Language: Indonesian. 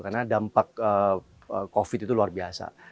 karena dampak covid itu luar biasa